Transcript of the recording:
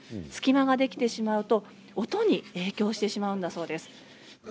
隙間ができてしまうと音に影響してしまうんだそうです。